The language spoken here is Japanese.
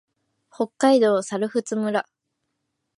北海道猿払村